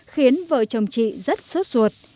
khiến vợ chồng chị rất suốt ruột